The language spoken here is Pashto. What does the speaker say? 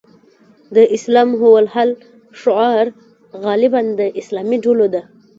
د الاسلام هو الحل شعار غالباً د اسلامي ډلو ده.